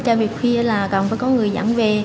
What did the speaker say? cho việc khuya là cần phải có người dẫn về